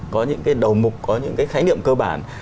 có những cái đầu mục có những cái khái niệm cơ bản